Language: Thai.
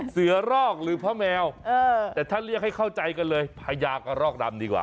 เสือรอกหรือพระแมวแต่ถ้าเรียกให้เข้าใจกันเลยพญากระรอกดำดีกว่า